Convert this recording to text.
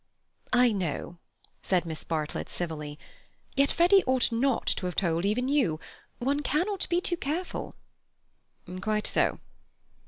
"I know," said Miss Bartlett civilly. "Yet Freddy ought not to have told even you. One cannot be too careful." "Quite so."